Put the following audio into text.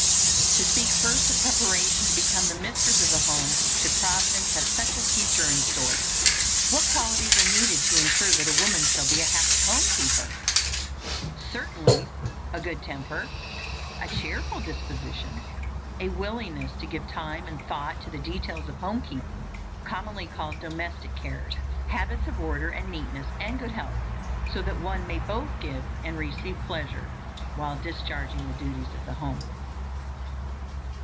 To speak first of preparation to become the mistress of a home, should Providence have such a future in store. What qualities are needed to insure that a woman shall be a happy home keeper? Certainly, a good temper, a cheerful disposition, a willingness to give time and thought to the details of home keeping, commonly called domestic cares, habits of order and neatness, and good health, so that one may both give and receive pleasure while discharging the duties of the home.